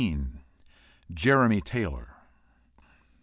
JEREMY TAYLOR.